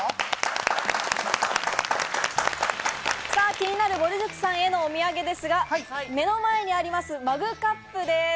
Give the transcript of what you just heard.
気になる、ぼる塾さんへのお土産ですが、目の前にあります、マグカップです。